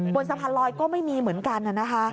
บนสะพานลอยก็ไม่มีเหมือนกันนะคะ